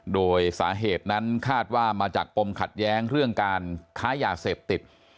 โดยสาเหตุนั้นคาดว่ามาจากปมขัดแย้งเรื่องการค้ายาเสพติด